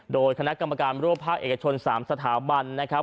โดยคณะกรรมการร่วมภาครับจอมภาคเอกชน๓สถาบรรยาย